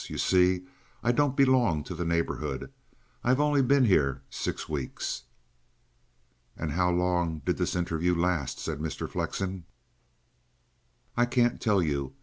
You see, I don't belong to the neighbourhood. I've only been here six weeks." "And how long did this interview last?" said Mr. Flexen. "I can't tell you.